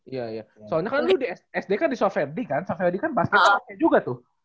iya iya soalnya kan lu sd kan di sofewadi kan sofewadi kan basketnya juga tuh